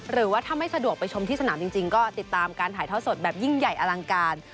หรือว่าถ้าไม่สะดวกไปชมที่สนามจริงก็ติดตามการถ่ายทอดสดแบบยิ่งใหญ่อลังการ